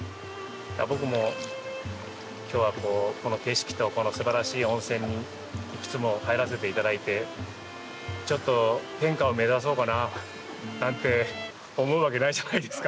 僕も今日はこの景色とこのすばらしい温泉にいくつも入らせて頂いてちょっと天下を目指そうかななんて思うわけないじゃないですか。